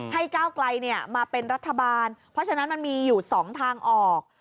ก้าวไกลมาเป็นรัฐบาลเพราะฉะนั้นมันมีอยู่๒ทางออก